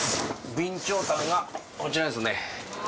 備長炭がこちらですね。